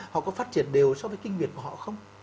họ có phát triển đều so với kinh nguyệt của họ không